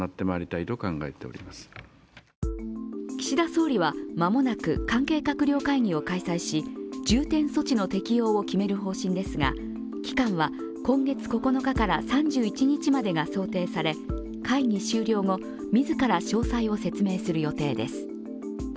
岸田総理は間もなく関係閣僚会議を開催し重点措置の適用を決める方針ですが、期間は今月９日から３１日までが想定され、会議終了後、自ら詳細を説明する予定です。